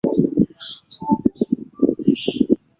二人为了成为顶尖的音乐家而一同努力。